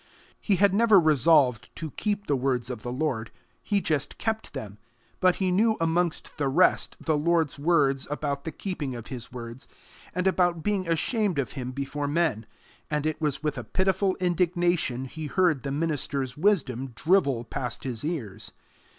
He had never resolved to keep the words of the Lord: he just kept them; but he knew amongst the rest the Lord's words about the keeping of his words, and about being ashamed of him before men, and it was with a pitiful indignation he heard the minister's wisdom drivel past his ears.